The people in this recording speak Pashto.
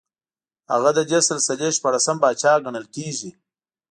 هغه د دې سلسلې شپاړسم پاچا ګڼل کېږي